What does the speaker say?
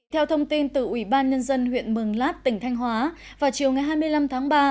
theo thông tin từ ủy ban nhân dân huyện mường lát tỉnh thanh hóa vào chiều ngày hai mươi năm tháng ba